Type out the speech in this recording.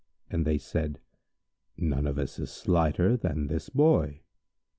And they said, "None of us is slighter than this Boy."